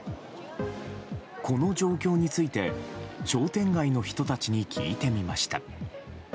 この状況について商店街の人たちに聞いてみました。